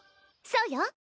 そうよ。